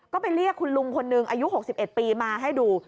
ก็ไปเรียกคุณลุงคนหนึ่งอายุ๖๑ปีมาให้ดู